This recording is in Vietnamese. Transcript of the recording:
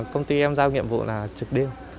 công ty em giao nhiệm vụ là trực đêm